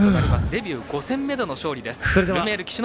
デビュー５年目での勝利です。